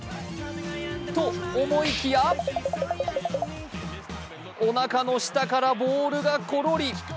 と思いきやおなかの下からボールがコロリ。